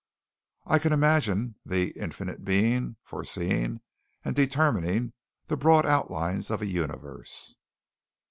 "I can imagine the ... Infinite Being, foreseeing and determining the broad outlines of a universe....